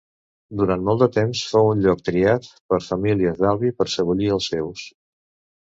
Durant molt de temps, fou un lloc triat per famílies d'Albi per sebollir els seus.